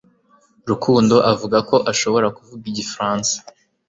rukundo avuga ko ashobora kuvuga igifaransa